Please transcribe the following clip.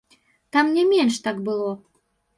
Там не менш, так было.